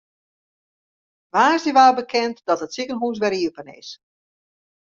Woansdei waard bekend dat it sikehûs wer iepen is.